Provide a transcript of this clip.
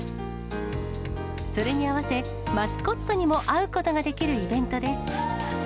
それに合わせ、マスコットにも会うことができるイベントです。